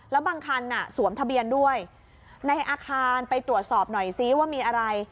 แล้วบางคันสวมทะเบียนด้วยในอาคารไปตรวจสอบหน่อยซิว่ามีอะไร